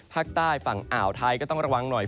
ภาคใต้ฝั่งอ่าวไทยก็ต้องระวังหน่อย